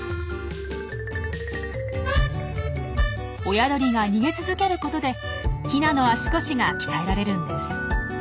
親鳥が逃げ続けることでヒナの足腰が鍛えられるんです。